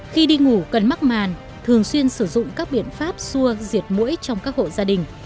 khi đi ngủ cần mắc màn thường xuyên sử dụng các biện pháp xua diệt mũi trong các hộ gia đình